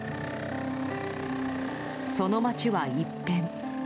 その街は一変。